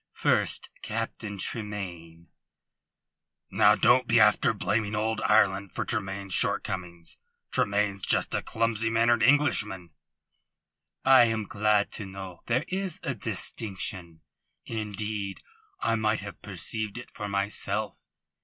"First Captain Tremayne " "Now don't be after blaming old Ireland for Tremayne's shortcomings. Tremayne's just a clumsy mannered Englishman." "I am glad to know there is a distinction. Indeed I might have perceived it for myself.